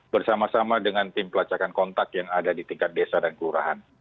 bersama sama dengan tim pelacakan kontak yang ada di tingkat desa dan kelurahan